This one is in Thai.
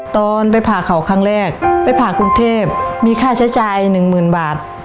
ตอนไปพาเขาครั้งแรกไปพากรุงเทพมีค่าใช้จ่าย๑๐๐๐๐บาท